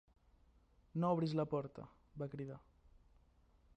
"No obris la porta", va cridar.